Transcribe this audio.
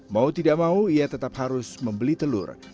mau tidak mau ia tetap harus membeli telur